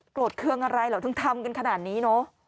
เครื่องอะไรเหรอถึงทำกันขนาดนี้เนอะ